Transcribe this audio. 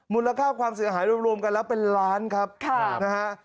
มูลค่าความเสียหายรวมกันแล้วเป็นล้านครับค่ะนะฮะ